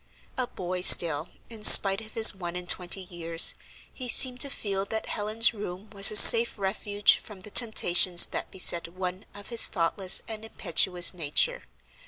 A boy still, in spite of his one and twenty years, he seemed to feel that Helen's room was a safe refuge from the temptations that beset one of his thoughtless and impetuous nature.